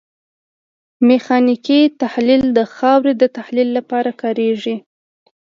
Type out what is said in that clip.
میخانیکي تحلیل د خاورې د تحلیل لپاره کاریږي